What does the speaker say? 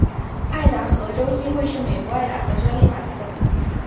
爱达荷州议会是美国爱达荷州的立法机构。